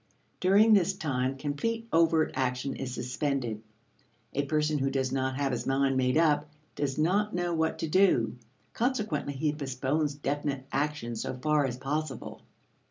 During this time complete overt action is suspended. A person who does not have his mind made up, does not know what to do. Consequently he postpones definite action so far as possible.